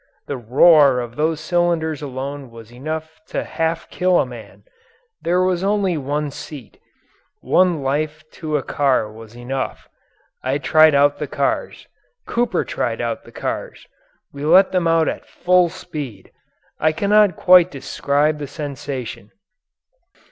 The roar of those cylinders alone was enough to half kill a man. There was only one seat. One life to a car was enough. I tried out the cars. Cooper tried out the cars. We let them out at full speed. I cannot quite describe the sensation.